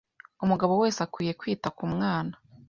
Umugabo wese akwiye kwita ku mwana